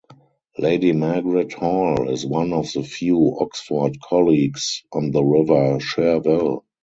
Lady Margaret Hall is one of the few Oxford colleges on the River Cherwell.